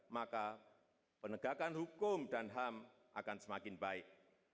maka penegakan hukum dan ham akan semakin baik